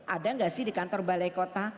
ada nggak sih di kantor balai kota